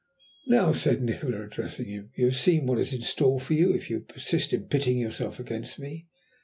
"Now," said Nikola, addressing him, "you have seen what is in store for you if you persist in pitting yourself against me.